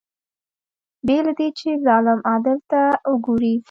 بې له دې چې ظلم عدل ته وګوري